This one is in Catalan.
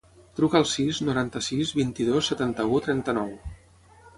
Truca al sis, noranta-sis, vint-i-dos, setanta-u, trenta-nou.